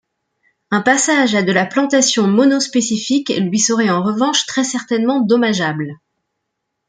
Un passage à de la plantation monospécifique lui serait en revanche très certainement dommageable.